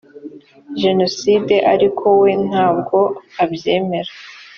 jenoside ariko we ntabwo abyemera